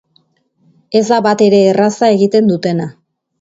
Ez da batere erraza egiten dutena.